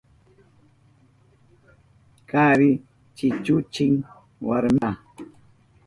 Kari chichuchin warminta.